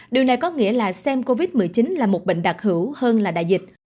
điều này có nghĩa là xem covid một mươi chín là một bệnh đặc hữu hơn là đại dịch